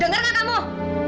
dengar gak kamu